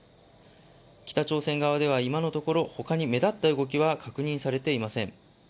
北朝鮮側では今のところ他に目立った動きは確認されていません。